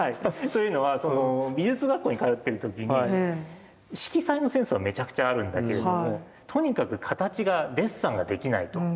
というのは美術学校に通ってる時に色彩のセンスはめちゃくちゃあるんだけれどもとにかく形がデッサンができないと。